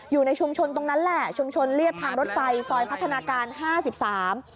อยู่ในชุมชนตรงนั้นแหละชุมชนเรียบทางรถไฟซอยพัฒนาการห้าสิบสาม